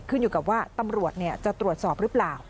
ขึ้นอยู่กับว่าตำรวจจะตรวจสอบหรือเปล่า